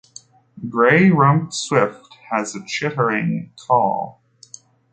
Grey-rumped swift has a chittering call.